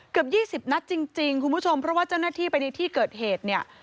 เกือบ๒๐นัดจริงคุณผู้ชมเพราะว่าเจ้าหน้าที่ไปในที่เกิดเหตุเนี่ย